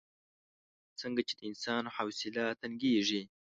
څنګه چې د انسان حوصله تنګېږي.